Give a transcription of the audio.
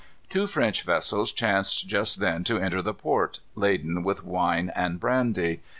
Two French vessels chanced just then to enter the port, laden with wine and brandy.